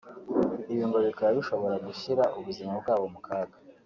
ibi ngo bikaba bishobora gushyira ubuzima bwabo mu kaga